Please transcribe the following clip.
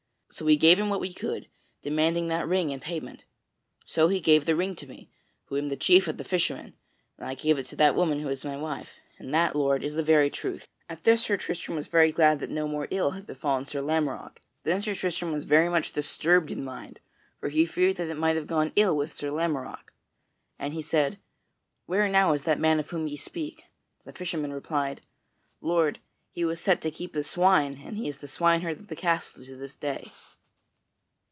So we gave him what we could, demanding that ring in payment. So he gave the ring to me, who am the chief of the fishermen, and I gave it to that woman who is my wife; and that, lord, is the very truth." Then Sir Tristram was very much disturbed in mind, for he feared that it might have gone ill with Sir Lamorack. And he said, "Where now is that man of whom ye speak?" The fisherman replied: "Lord, he was set to keep the swine, and he is the swineherd of the castle to this day."